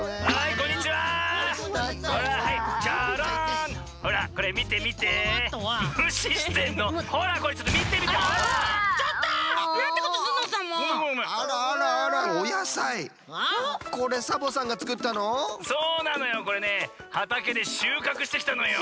これねはたけでしゅうかくしてきたのよ。